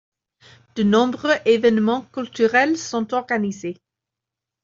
De nombreux événement culturels sont organisés.